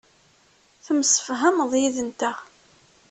Temsefhameḍ yid-nteɣ.